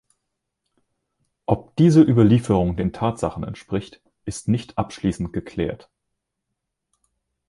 Ob diese Überlieferung den Tatsachen entspricht, ist nicht abschließend geklärt.